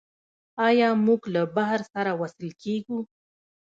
آیا موږ له بحر سره وصل کیږو؟